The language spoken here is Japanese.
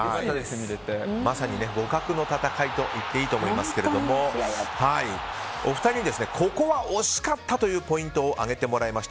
まさに互角の戦いと言っていいと思いますがお二人にここは惜しかったというポイントを挙げてもらいました。